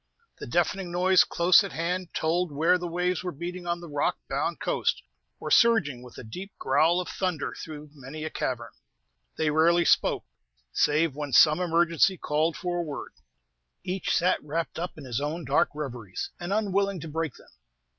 The deafening noise close at hand told where the waves were beating on the rock bound coast, or surging with the deep growl of thunder through many a cavern. They rarely spoke, save when some emergency called for a word. Each sat wrapped up in his own dark reveries, and unwilling to break them.